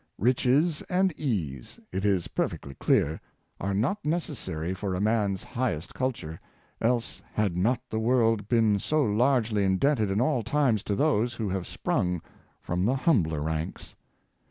Riches and ease, it is perfectly clear, are not necessa ry for man's highest culture, else had not the world 182 Thoinas A, Edison, been so largely indebted in all times to those who have sprung from the humbler ranks.